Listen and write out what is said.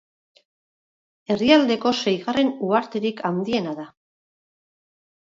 Herrialdeko seigarren uharterik handiena da.